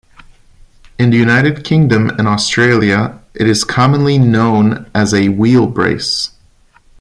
In the United Kingdom and Australia it is commonly known as a wheel brace.